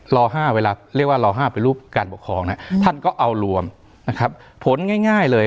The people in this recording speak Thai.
รอห้าเวลาเรียกว่ารอห้าเป็นรูปการปกครองท่านก็เอารวมผลง่ายเลย